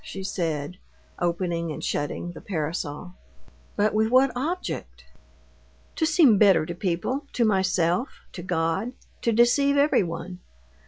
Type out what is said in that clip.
she said, opening and shutting the parasol. "But with what object?" "To seem better to people, to myself, to God; to deceive everyone.